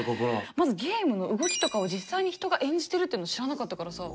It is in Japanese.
まずゲームの動きとかを実際に人が演じてるっていうの知らなかったからさ。